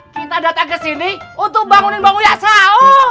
kita datang ke sini untuk bangunin bangun ya saur